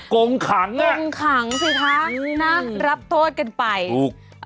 กรงขังนะตอนนี้ครับมั้ยรับโทษกันไปครับคือกรองขัง